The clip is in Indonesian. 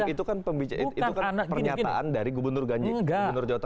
itu kan pernyataan dari gubernur ganjik gubernur jawa tengah